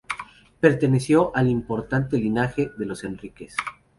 Perteneció al importante linaje de los Enríquez.